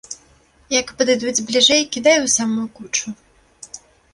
Як падыдуць бліжэй, кідай у самую кучу.